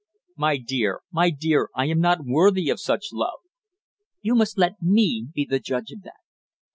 "My dear! My dear! I am not worthy of such love." "You must let me be the judge of that."